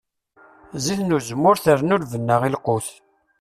Zzit n uzemmur trennu lbenna i lqut.